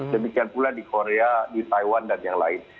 demikian pula di korea di taiwan dan yang lain